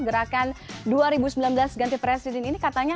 gerakan dua ribu sembilan belas ganti presiden ini katanya